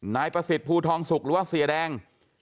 นายประสิทธิ์ภูทองสุกหรือว่าเสียแดง